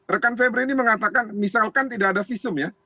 rekan febri ini mengatakan misalkan tidak ada visum ya